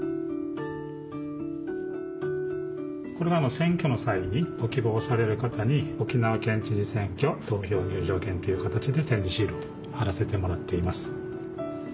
これが選挙の際にご希望される方に「沖縄県知事選挙投票入場券」という形で点字シールを貼らせてもらっています。